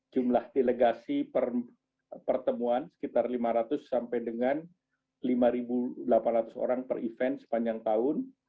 jumlah delegasi pertemuan sekitar lima ratus sampai dengan lima delapan ratus orang per event sepanjang tahun